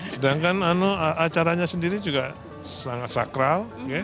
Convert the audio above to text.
sedangkan acaranya sendiri juga sangat sakral